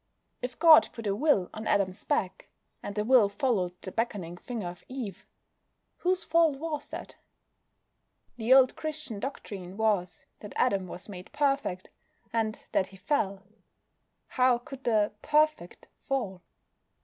If God put a "will" on Adam's back, and the will followed the beckoning finger of Eve, whose fault was that? The old Christian doctrine was that Adam was made perfect, and that he fell. (How could the "perfect" fall?)